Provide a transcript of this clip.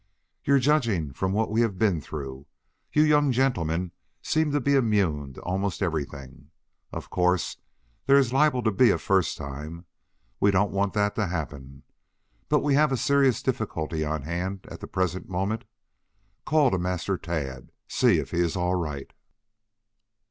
"Yes, judging from what we have been through, you young gentlemen seem to be immune to almost everything. Of course there is liable to be a first time. We don't want that to happen. But we have a serious difficulty on hand at the present moment. Call to Master Tad. See if he is all right."